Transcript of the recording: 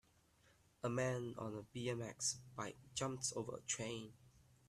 A man on a bmx bike jumps over a train